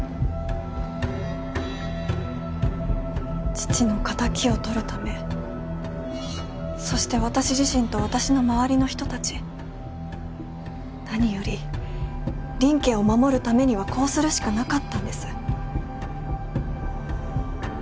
父の敵を取るためそして私自身と私の周りの人たち何より林家を守るためにはこうするしかなかったんです。